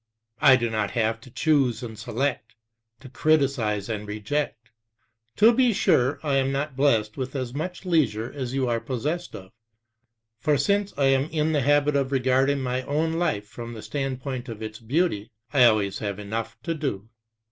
I do not have to choose and select, to criticize and reject. To be sure, I am not blessed with as much leisure as you are possessed of; for since I am in the habit of regarding my own life from the standpoint of its beauty, I always have enough to do.